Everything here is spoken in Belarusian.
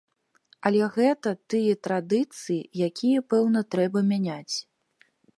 Але гэта тыя традыцыі, якія, пэўна, трэба мяняць.